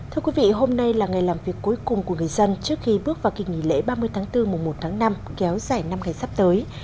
thưa quý vị hôm nay là ngày làm việc cuối cùng của người dân trước khi bước vào kỳ nghỉ lễ ba mươi tháng bốn mùa một tháng năm kéo dài năm ngày sắp tới